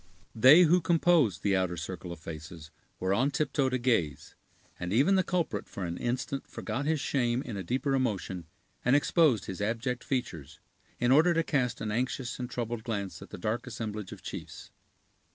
They who composed the outer circle of faces were on tiptoe to gaze; and even the culprit for an instant forgot his shame in a deeper emotion, and exposed his abject features, in order to cast an anxious and troubled glance at the dark assemblage of chiefs.